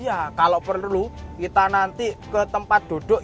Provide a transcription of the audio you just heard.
iya kalau perlu kita nanti ke tempat duduk